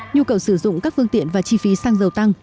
nhu cầu sử dụng các phương tiện và chi phí xăng dầu tăng